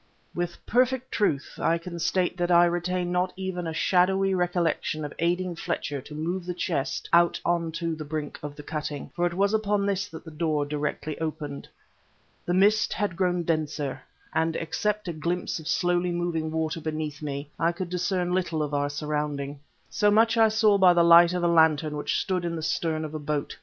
With perfect truth I can state that I retain not even a shadowy recollection of aiding Fletcher to move the chest out on to the brink of the cutting for it was upon this that the door directly opened. The mist had grown denser, and except a glimpse of slowly moving water beneath me, I could discern little of our surrounding. So much I saw by the light of a lantern which stood in the stern of a boat.